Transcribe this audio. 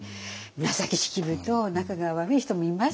紫式部と仲が悪い人もいます。